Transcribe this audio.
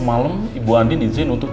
aku mau ke rumah